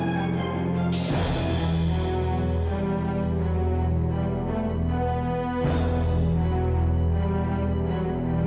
ayah pulang ayah jangan ikut itu